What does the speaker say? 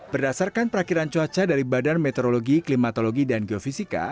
berdasarkan perakhiran cuaca dari badan meteorologi klimatologi dan geofisika